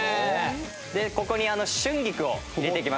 でここに春菊を入れていきます。